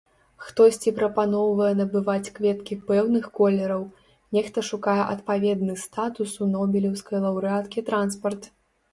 Хтосьці прапаноўвае набываць кветкі пэўных колераў, нехта шукае адпаведны статусу нобелеўскай лаўрэаткі транспарт.